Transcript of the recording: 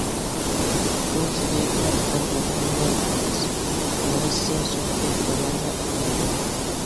بۇ زىددىيەتلەر ھەل بولىدىغاندەك ئەمەس، مۇرەسسە، سۆھبەت بۇلارغا ئاقمايدۇ.